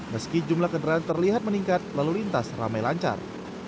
meski jumlah kendaraan terlihat meningkat lalu lintas ramai lancar